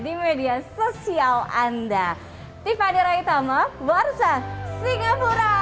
di media sosial anda tifadirahitama borsa singapura